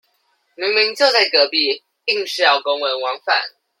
明明就在隔壁，硬是要公文往返